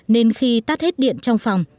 nên khi tắt hết điện trong phòng